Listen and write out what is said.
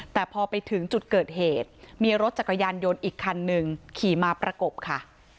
แต่พอไปถึงจุดเกิดเหตุมีรถจักรยานยนต์อีกคันหนึ่งขี่มาประกบค่ะ